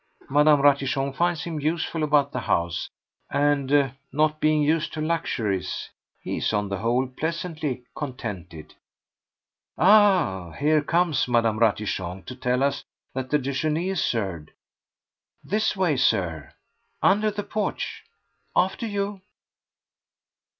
Madame Ratichon finds him useful about the house, and, not being used to luxuries, he is on the whole pleasantly contented. Ah, here comes Madame Ratichon to tell us that the déjeuner is served! This way, Sir, under the porch. ... After you!